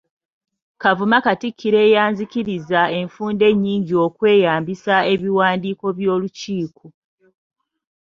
Kavuma Katikkiro eyanzikiriza enfunda ennyingi okweyambisa ebiwandiiko by'Olukiiko.